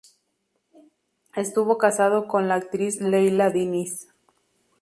Estuvo casado con la actriz Leila Diniz.